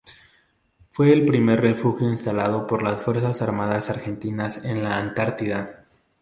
Fue el primer refugio instalado por las Fuerzas Armadas argentinas en la Antártida.